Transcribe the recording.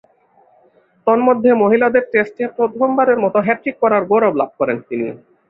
তন্মধ্যে মহিলাদের টেস্টে প্রথমবারের মতো হ্যাট্রিক করার গৌরব লাভ করেন তিনি।